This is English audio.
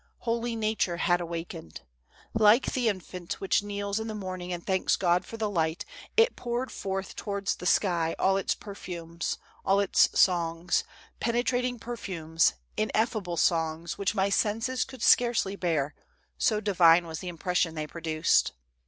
Holy nature had awakened. Like the infant which kneels in the morning and thanks God for the light, it poured forth towards the sky all its perfumes, all its songs — penetra ting perfumes, ineffable songs, which my senses could scarcely bear, so divine was the impression they pro duced.